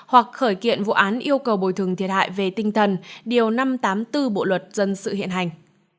hoặc khởi kiện vụ án yêu cầu bồi thường thiệt hại về tinh thần điều năm trăm tám mươi bốn bộ luật dân sự hiện hành